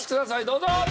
どうぞ！